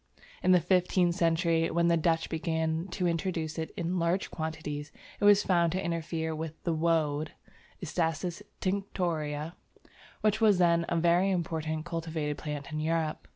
In the fifteenth century, when the Dutch began to introduce it in large quantities, it was found to interfere with the "woad" (Isatis tinctoria) which was then a very important cultivated plant in Europe.